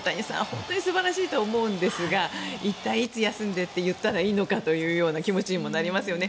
本当に素晴らしいと思うんですが一体いつ休んでって言ったらいいのかという気持ちにもなりますね。